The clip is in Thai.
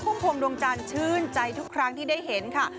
คุ้มพงธ์ดวงจานชื่นใจทุกครั้งที่ได้เห็นค่ะ